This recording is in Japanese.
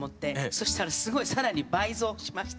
そしたらすごい更に倍増しました。